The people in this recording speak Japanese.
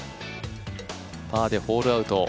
パーでホールアウト。